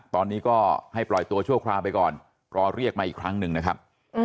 ตอนนี้ก็ให้ปล่อยตัวชั่วคราวไปก่อนรอเรียกมาอีกครั้งหนึ่งนะครับ